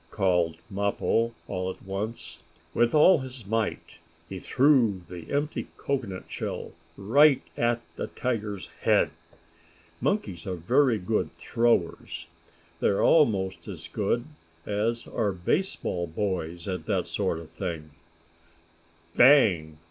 called Mappo, all at once. With all his might he threw the empty cocoanut shell right at the tiger's head. Monkeys are very good throwers. They are almost as good as are baseball boys at that sort of thing. "Bang!"